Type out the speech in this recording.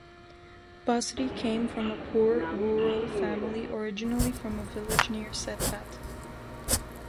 Basri came from a poor rural family originally from a village near Settat.